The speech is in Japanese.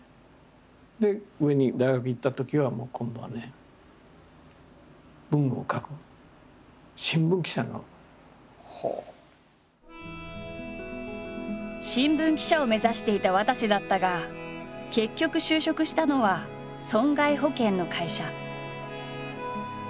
で大学行ったときはもう今度はね文を書く新聞記者を目指していたわたせだったが結局就職したのは損害保険の会社。